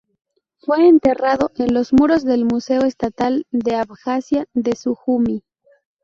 Fue enterrado en los muros del Museo Estatal de Abjasia de Sujumi.